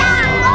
gak ada apa apa